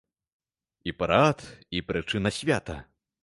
І парад, і прычына свята.